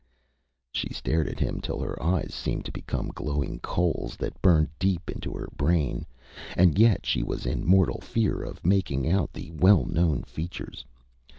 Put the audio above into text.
Â She stared at him till her eyes seemed to become glowing coals that burned deep into her brain, and yet she was in mortal fear of making out the well known features.